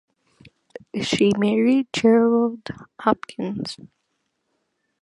She married Gerard Hopkins.